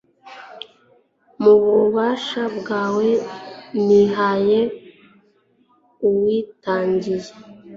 mu bubasha bwawe, nihaye uwitangiye